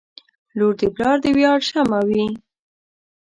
• لور د پلار د ویاړ شمعه وي.